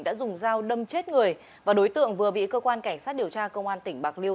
đã dùng dao đâm chết người và đối tượng vừa bị cơ quan cảnh sát điều tra công an tỉnh bạc liêu